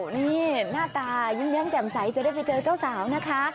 นี่หน้าตายิ้มแย้มแจ่มใสจะได้ไปเจอเจ้าสาวนะคะ